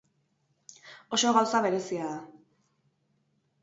Oso gauza berezia da.